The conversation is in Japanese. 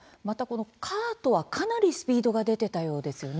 カートはかなりスピードが出てたようですね。